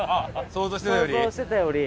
想像してたより。